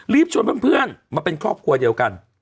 ชวนเพื่อนมาเป็นครอบครัวเดียวกัน